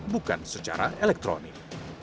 bukan secara elektronik